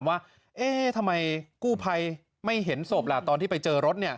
ว่าเอ๊ะทำไมกู้ภัยไม่เห็นศพล่ะตอนที่ไปเจอรถ